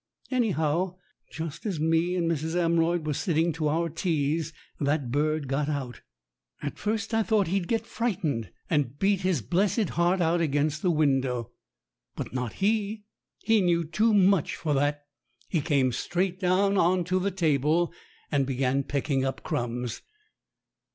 Anyhow, just as me and Mrs. Amroyd was sitting to our teas that bird got out. At first I thought he'd get frightened and beat his 92 STORIES WITHOUT TEARS blessed heart out against the window. But not he he knew too much for that. He came straight down on to the table, and began pecking up crumbs.